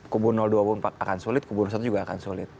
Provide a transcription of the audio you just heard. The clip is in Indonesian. kubu dua puluh empat akan sulit kubu satu juga akan sulit